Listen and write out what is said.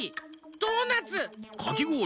ドーナツ。